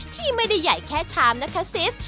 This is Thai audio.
ที่ไม่ได้ใหญ่แค่ชามนะคะซิส